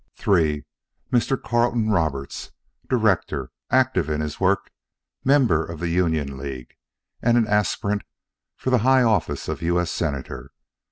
III Mr. Carleton Roberts, director; active in his work, member of the Union League and an aspirant for the high office of U. S. Senator.